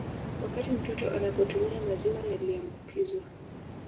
Wakati mtoto anapotumia maziwa yaliambukizwa